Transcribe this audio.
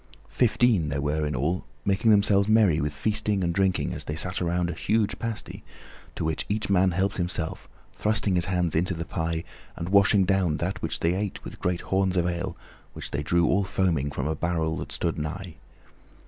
Fifteen there were in all, making themselves merry with feasting and drinking as they sat around a huge pasty, to which each man helped himself, thrusting his hands into the pie, and washing down that which they ate with great horns of ale which they drew all foaming from a barrel that stood nigh.